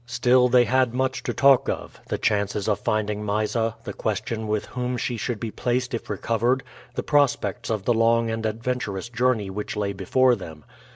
Still they had much to talk of the chances of finding Mysa; the question with whom she should be placed if recovered; the prospects of the long and adventurous journey which lay before them.